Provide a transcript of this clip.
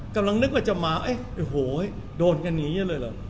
กำลังนึกว่าจะมาเอ๊ะโอ้โหโดนกันอย่างนี้เลยเหรอ